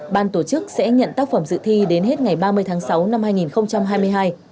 ban tổ chức sẽ nhận tác phẩm dự thi đến hết ngày ba mươi tháng sáu năm hai nghìn hai mươi hai